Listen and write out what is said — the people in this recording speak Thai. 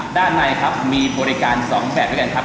ด้านในครับมีบริการ๒แบบด้วยกันครับ